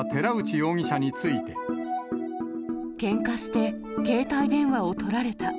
けんかして、携帯電話をとられた。